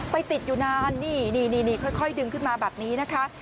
ไปติดอยู่นานนี่ค่อยดึงขึ้นมาแบบนี้นะคะ